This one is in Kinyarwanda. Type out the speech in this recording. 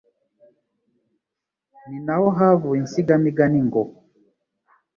Ni naho havuye Insigamigani ngo